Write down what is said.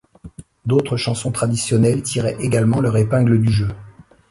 D’autres chansons traditionnelles tiraient également leur épingle du jeu.